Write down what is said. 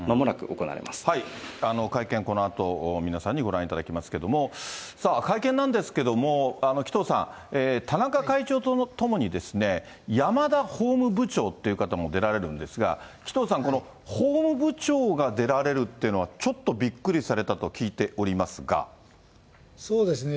ま会見、このあと皆さんにご覧いただきますけれども、会見なんですけども、紀藤さん、田中会長と共に、山田法務部長っていう方も出られるんですが、紀藤さん、この法務部長が出られるというのはちょっとびっくりされたと聞いそうですね。